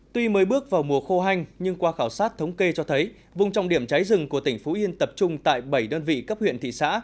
tuy mới bước vào mùa khô hanh nhưng qua khảo sát thống kê cho thấy vùng trọng điểm cháy rừng của tỉnh phú yên tập trung tại bảy đơn vị cấp huyện thị xã